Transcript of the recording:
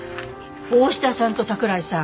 大志田さんと桜井さん